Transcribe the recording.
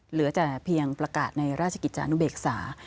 เหลือแต่เพียงประกาศในราชกิจจานุเบกษา